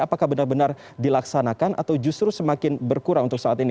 apakah benar benar dilaksanakan atau justru semakin berkurang untuk saat ini